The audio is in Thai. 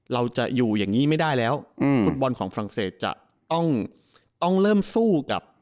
เราจะอยู่อย่างงี้ไม่ได้แล้วอืมฟุตบอลของฝรั่งเศสจะต้องต้องเริ่มสู้กับ